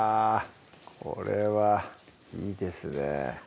これはいいですね